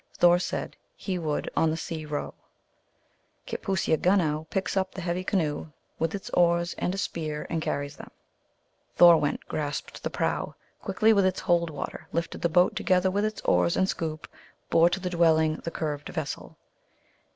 Thor said he would On the sea row." Kitpooseagunow picks up the heavy canoe, with its oars and a spear, and carries them. 80 THE ALGONQUIN LEGENDS. " Thor went, grasped the prow quickly with its hold water, lifted the boat together with its oars and scoop ; bore to the dwelling the curved vessel."